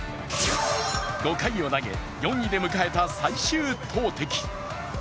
５回を投げ、４位で迎えた最終投てき。